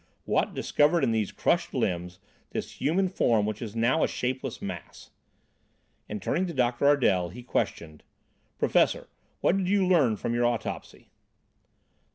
What discover in these crushed limbs, this human form, which is now a shapeless mass?" And, turning to Dr. Ardel, he questioned: "Professor, what did you learn from your autopsy?"